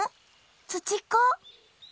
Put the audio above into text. ツチッコ？